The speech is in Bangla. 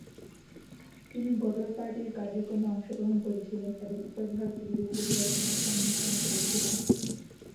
তিনি গদর পার্টির কার্যক্রমে অংশগ্রহণ করেছিলেন এবং উত্তর ভারত জুড়ে বিপ্লবী রচনার সংমিশ্রণ করেছিলেন।